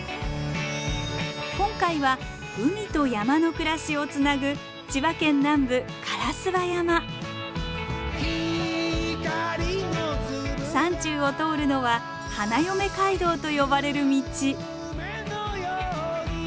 今回は海と山の暮らしをつなぐ千葉県南部山中を通るのは「花嫁街道」と呼ばれる道。